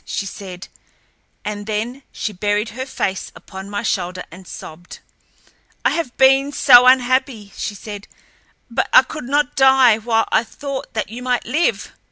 she said, and then she buried her face upon my shoulder and sobbed. "I have been so unhappy," she said, "but I could not die while I thought that you might live."